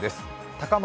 高松